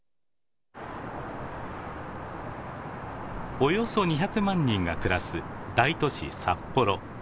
およそ２００万人が暮らす大都市札幌。